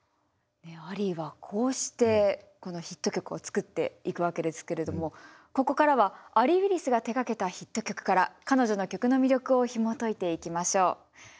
アリーはこうしてこのヒット曲を作っていくわけですけれどもここからはアリー・ウィリスが手がけたヒット曲から彼女の曲の魅力をひもといていきましょう。